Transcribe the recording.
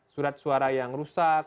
surat suara yang rusak